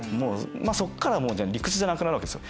そっからもう理屈じゃなくなるわけですよ。